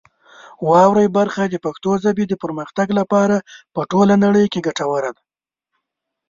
واورئ برخه د پښتو ژبې د پرمختګ لپاره په ټوله نړۍ کې ګټوره ده.